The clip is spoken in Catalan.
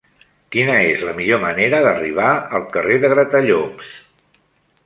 Quina és la millor manera d'arribar al carrer de Gratallops?